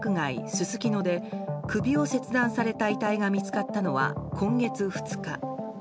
すすきので首が切断された遺体が見つかったのは、今月２日。